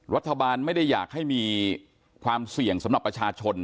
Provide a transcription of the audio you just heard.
รัฐบาลไม่ได้อยากให้มีความเสี่ยงสำหรับประชาชน